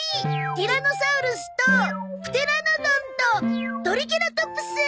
ティラノサウルスとプテラノドンとトリケラトプス！